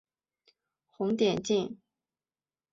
红点镜。